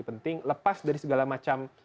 penting lepas dari segala macam